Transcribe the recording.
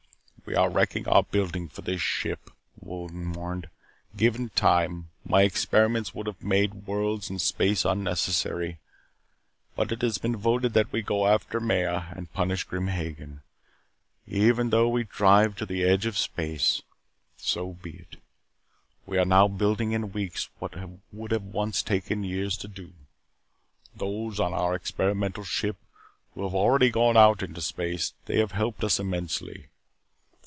"We are wrecking our buildings for this ship," Wolden mourned. "Given time, my experiments would have made worlds and space unnecessary. But it has been voted that we go after Maya and punish Grim Hagen, even though we drive to the edge of space. So be it. We are now building in weeks what it would once have taken years to do. Those on our experimental ship who have already gone out into space, they have helped us immensely.